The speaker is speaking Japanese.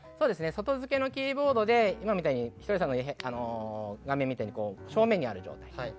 外付けのキーボードで今のひとりさんの画面みたいに正面にあるじゃないですか。